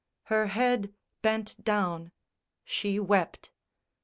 _ Her head bent down: she wept.